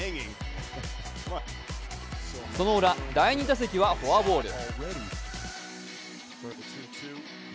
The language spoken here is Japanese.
そのウラ、第２打席はフォアボール。